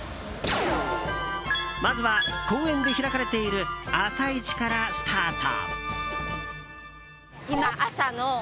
まずは、公園で開かれている朝市からスタート。